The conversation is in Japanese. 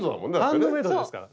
ハンドメイドですから。